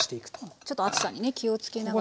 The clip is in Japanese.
ちょっと熱さにね気を付けながら。